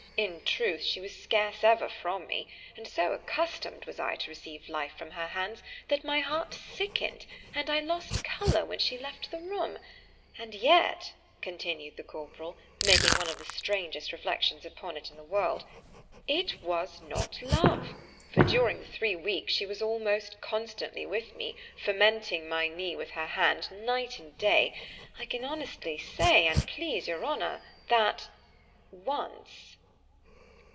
In truth, she was scarce ever from me; and so accustomed was I to receive life from her hands, that my heart sickened, and I lost colour when she left the room: and yet, continued the corporal (making one of the strangest reflections upon it in the world)—— ——"It was not love"——for during the three weeks she was almost constantly with me, fomenting my knee with her hand, night and day—I can honestly say, an' please your honour—that once.